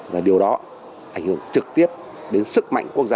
và điều đó ảnh hưởng trực tiếp đến sức mạnh quốc gia